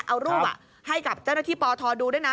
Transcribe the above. เอารูปให้กับเจ้าหน้าที่ปทดูด้วยนะ